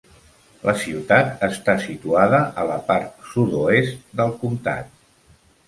La ciutat està situada a la part sud-oest del comtat.